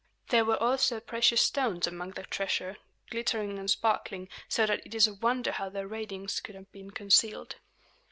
There were also precious stones among the treasure, glittering and sparkling, so that it is a wonder how their radiance could have been concealed.